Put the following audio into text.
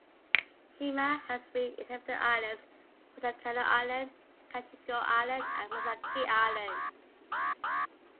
Shima has three inhabited islands; Watakano Island, Kashiko Island and Masaki Island.